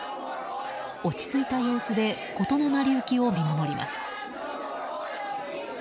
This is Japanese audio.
落ち着いた様子で事の成り行きを見守ります。